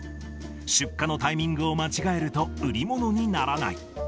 出荷のタイミングを間違えると、売り物にならない。